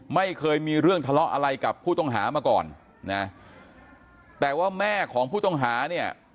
ไม่เคยมีเรื่องทะเลาะอะไรกับผู้ต้องหามาก่อนนะแต่ว่าแม่ของผู้ต้องหาเนี่ย